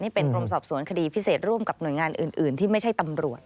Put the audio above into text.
เป็นกรมสอบสวนคดีพิเศษร่วมกับหน่วยงานอื่นที่ไม่ใช่ตำรวจ